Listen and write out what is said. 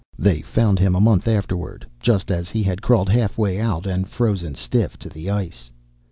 They found him, a month afterward, just as he had crawled halfway out and frozen stiff to the ice.